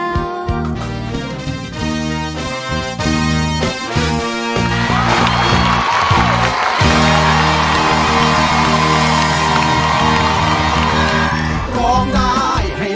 ขาดเธอไปดอกไม้ของเหงาเศร้าเหยียว